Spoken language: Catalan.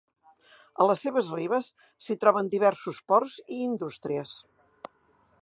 A les seves ribes s'hi troben diversos ports i indústries.